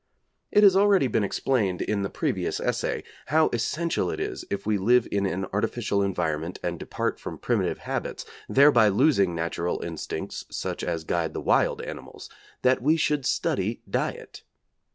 It has already been explained in the previous essay how essential it is if we live in an artificial environment and depart from primitive habits, thereby losing natural instincts such as guide the wild animals, that we should study diet.